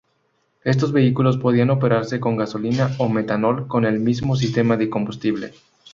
Estos vehículos podían operar con gasolina ó metanol con el mismo sistema de combustible.